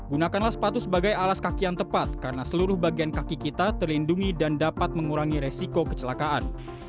gunakanlah sepatu sebagai alas kaki yang tepat karena seluruh bagian kaki kita terlindungi dan dapat mengurangi resiko kecelakaan